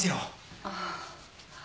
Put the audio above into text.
ああ。